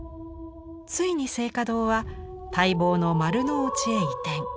ついに静嘉堂は待望の丸の内へ移転。